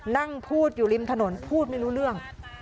นั่งพูดอยู่ริมถนนพูดไม่รู้เรื่อง